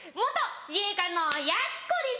自衛官のやす子です！